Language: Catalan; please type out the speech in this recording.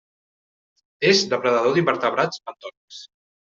És depredador d'invertebrats bentònics.